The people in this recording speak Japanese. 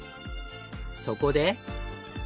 そこで。